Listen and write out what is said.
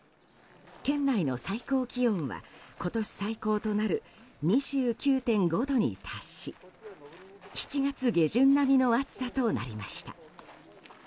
県内の最高気温は今年最高となる２９．５度に達し７月下旬並みの暑さとなりました。